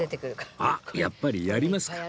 あっやっぱりやりますか。